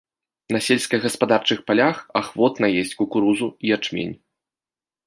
На сельскагаспадарчых палях ахвотна есць кукурузу і ячмень.